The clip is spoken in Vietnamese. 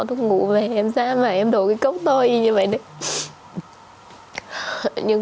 thuốc ngủ về em ra mà em đổ cái cốc to y như vậy đấy nhưng